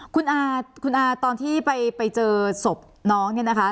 คุณอาคุณอาตอนที่ไปเจอศพน้องเนี่ยนะคะ